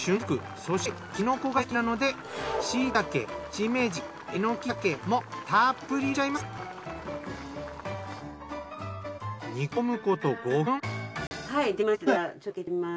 そしてきのこが大好きなので椎茸しめじえのき茸もたっぷり入れちゃいます。